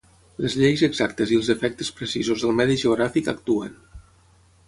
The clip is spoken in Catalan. Les lleis exactes i els efectes precisos del medi geogràfic actuen.